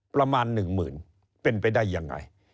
ประมาณ๑หมื่นเป็นไปได้ยังไง